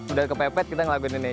udah kepepet kita ngelakuin ini